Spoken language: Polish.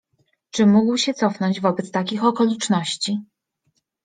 Czy mógł się cofnąć wobec takich okoliczności?